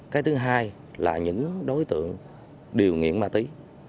cái thứ hai là những đối tượng đều nghiện ma túy